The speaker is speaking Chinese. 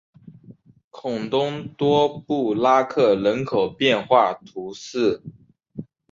孔东多布拉克人口变化图示